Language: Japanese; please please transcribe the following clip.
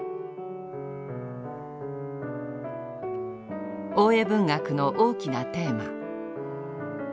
文学の大きなテーマ。